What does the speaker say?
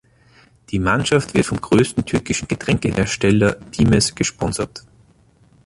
Die Mannschaft wird vom größten türkischen Getränke-Hersteller Dimes gesponsert.